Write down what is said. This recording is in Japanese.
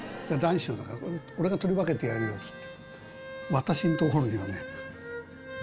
私のところにはね。